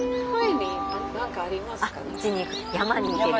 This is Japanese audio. はい。